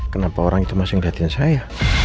kenapa orang itu masih ngeliatnya saya